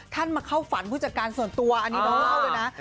ท่านมาเข้าฝันผู้จัดการส่วนตัวอันนี้บอกแล้วนะ